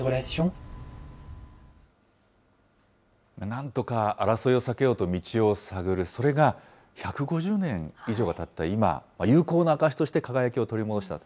なんとか争いを避けようと道を探る、それが１５０年以上がたった今、友好の証しとして、輝きを取り戻した。